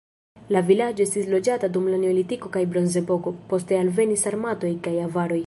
La vilaĝo estis loĝata dum la neolitiko kaj bronzepoko, poste alvenis sarmatoj kaj avaroj.